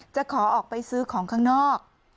จะขอออกไปซื้อของข้างนอก